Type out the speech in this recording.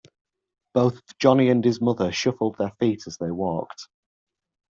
Both Johnny and his mother shuffled their feet as they walked.